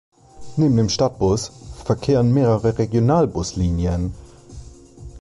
Neben dem Stadtbus verkehren mehrere Regionalbuslinien.